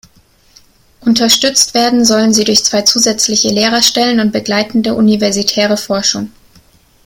Unterstützt werden sollen sie durch zwei zusätzliche Lehrerstellen und begleitende universitäre Forschung.